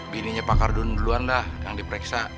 bininya pak ardun duluan lah yang dipereksa